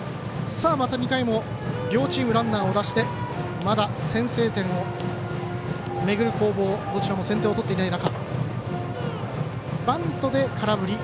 また２回も両チームランナーを出してまだ先制点を巡る攻防どちらも先手を取っていない中。